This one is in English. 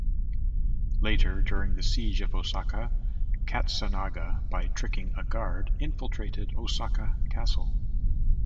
Later, during the Siege of Osaka, Katsunaga, by tricking a guard, infiltrated Osaka castle.